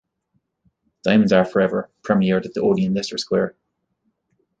"Diamonds are Forever" premiered at the Odeon Leicester Square.